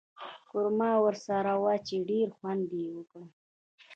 قورمه ورسره وه چې ډېر خوند یې وکړ.